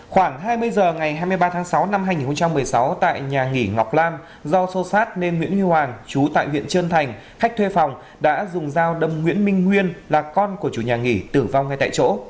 khoảng hai mươi h ngày hai mươi ba tháng sáu năm hai nghìn một mươi sáu tại nhà nghỉ ngọc lam do xô xát nên nguyễn huy hoàng chú tại huyện trơn thành khách thuê phòng đã dùng dao đâm nguyễn minh nguyên là con của chủ nhà nghỉ tử vong ngay tại chỗ